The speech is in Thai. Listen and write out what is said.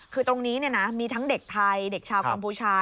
คือตรงนี้เนี่ยนะมีทั้งเด็กไทยเด็กชาวกำพูชา